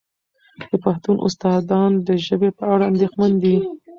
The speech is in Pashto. د پوهنتون استادان د ژبې په اړه اندېښمن دي.